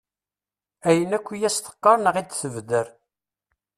Ayen akk i as-teqqar neɣ i d-tebder.